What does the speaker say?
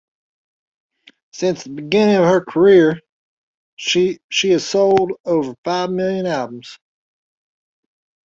Since the beginning of her career, she has sold over five million albums.